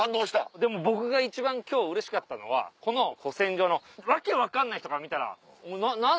でも僕が一番今日うれしかったのはこの古戦場の訳分かんない人から見たら「何だ？